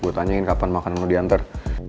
gue tanyain kapan makanan mau diantar